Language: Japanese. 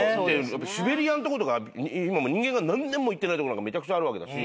シベリアのとことか人間が何年も行ってないとこなんかめちゃくちゃあるわけだし。